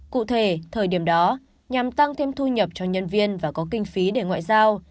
cụ thể thời điểm đó nhằm tăng thêm thu nhập cho nhân viên và có kinh phí để ngoại giao